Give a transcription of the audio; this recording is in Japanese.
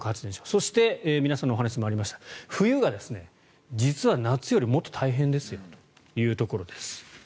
そして皆さんのお話にもありました冬が実は夏よりもっと大変ですよというところです。